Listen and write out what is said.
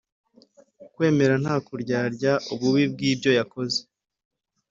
kwemera nta buryarya ububi bw’ibyo yakoze